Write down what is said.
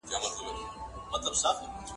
ما ویل زه به ستا د شپې په زړه کي